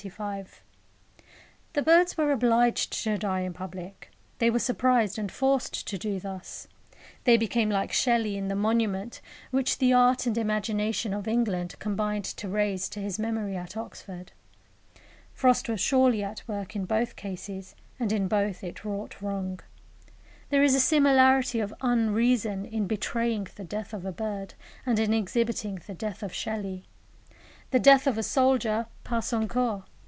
The birds were obliged to die in public. They were surprised and forced to do thus. They became like Shelley in the monument which the art and imagination of England combined to raise to his memory at Oxford. Frost was surely at work in both cases, and in both it wrought wrong. There is a similarity of unreason in betraying the death of a bird and in exhibiting the death of Shelley. The death of a soldier passe encore.